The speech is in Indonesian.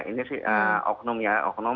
ini sih oknum ya